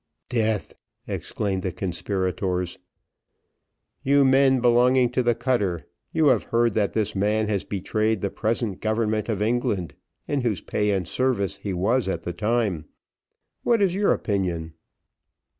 "Death!" exclaimed the conspirators. "You men, belonging to the cutter, you have heard that this man has betrayed the present government of England, in whose pay and service he was at the time what is your opinion?"